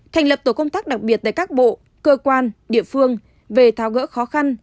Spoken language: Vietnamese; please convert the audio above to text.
thành lập tổ công tác đặc biệt tại các bộ cơ quan địa phương về tháo gỡ khó khăn